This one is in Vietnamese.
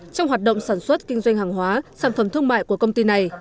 trong hoạt động sản xuất kinh doanh hàng hóa sản phẩm thương mại của công ty này